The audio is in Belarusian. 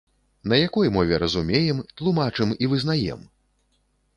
На якой мове разумеем, тлумачым і вызнаем?